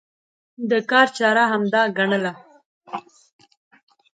د کار چاره همدا ګڼله.